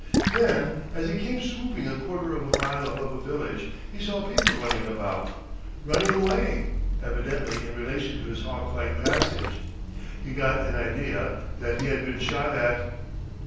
Then as he came swooping a quarter of a mile above a village he saw people running about, running away evidently in relation to his hawk like passage. He got an idea that he had been shot at.